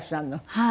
はい。